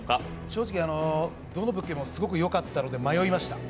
正直どの物件もすごくよかったので迷いました。